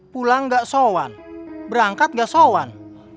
pulang tidak soan berangkat tidak soan